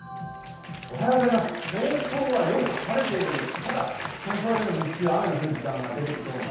東京はよく晴れているんです。